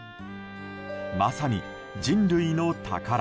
まさに人類の宝。